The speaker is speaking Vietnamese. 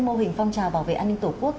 mô hình phong trào bảo vệ an ninh tổ quốc